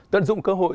tận dụng cơ hội